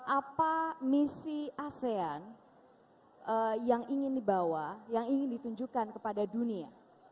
apa misi asean yang ingin dibawa yang ingin ditunjukkan kepada dunia